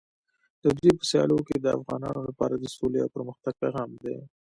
د دوی په سیالیو کې د افغانانو لپاره د سولې او پرمختګ پیغام دی.